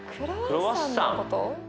クロワッサン！